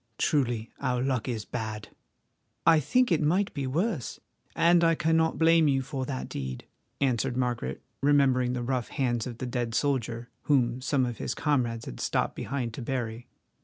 Truly our luck is bad!" "I think it might be worse, and I cannot blame you for that deed," answered Margaret, remembering the rough hands of the dead soldier, whom some of his comrades had stopped behind to bury.